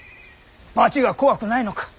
罰が怖くないのか。